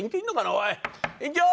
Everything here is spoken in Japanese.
おい！